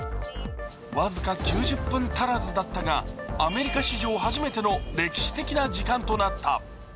僅か９０分足らずだったが、アメリカ史上初めての歴史的な時間となった。